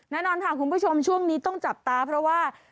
แน่นอนค่ะคุณผู้ชมช่วงนี้ต้องจับตาเพราะว่า